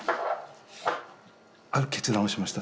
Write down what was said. ある決断をしました。